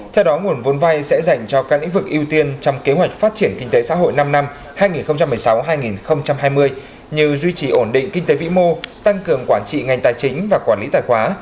theo đó nguồn vốn vay sẽ dành cho các lĩnh vực ưu tiên trong kế hoạch phát triển kinh tế xã hội năm năm như duy trì ổn định kinh tế vĩ mô tăng cường quản trị ngành tài chính và quản lý tài khoá